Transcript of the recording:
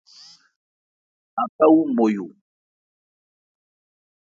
Aká wu Nmɔyo.